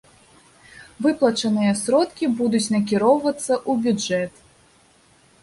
Выплачаныя сродкі будуць накіроўвацца ў бюджэт.